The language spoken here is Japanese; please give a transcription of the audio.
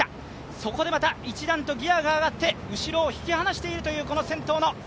そこでまた一段とギヤが上がって、引き離しているという。